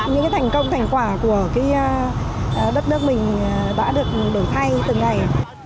những thành công thành quả của đất nước mình đã được đổi thay từng ngày